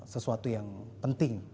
sesuatu yang penting